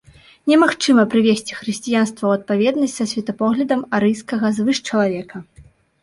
Немагчыма прывесці хрысціянства ў адпаведнасць са светапоглядам арыйскага звышчалавека.